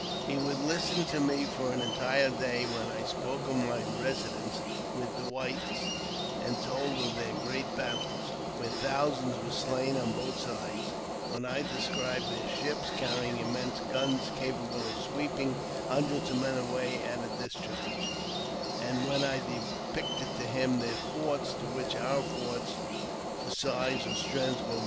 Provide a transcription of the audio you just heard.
He would listen to me for an entire day when I spoke of my residence with the whites, and told of their great battles, where thousands were slain on both sides ; when I described their ships carrying immense guns capable of sw^eeping hundreds of men away at a discharge ; and when I depicted to him their forts, to which our forts for size or strength were but as ant hills.